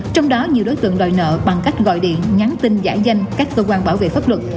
trong đó nhiều đối tượng đòi nợ bằng cách gọi điện nhắn tin giả danh các cơ quan bảo vệ pháp luật